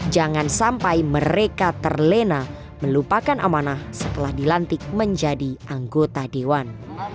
jangan sampai mereka terlena melupakan amanah setelah dilantik menjadi anggota dewan